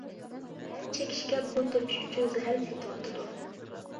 زەھەر چېكىشكە پۇل تېپىش ئۈچۈن زەھەر سېتىۋاتىدۇ.